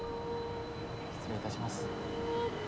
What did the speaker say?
失礼いたします。